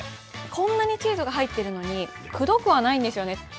こんなにチーズが入ってるのにくどくはないんですよね。